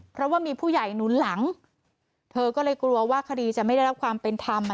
เพราะว่ามีผู้ใหญ่หนุนหลังเธอก็เลยกลัวว่าคดีจะไม่ได้รับความเป็นธรรมอ่ะ